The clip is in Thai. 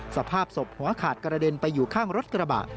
สภาพศพหัวขาดกระเด็นไปอยู่ข้างรถกระบะ